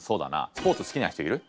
スポーツ好きな人いる？